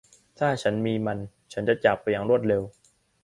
ถ้าฉันมีมัน ฉันจะจากไปอย่างรวดเร็ว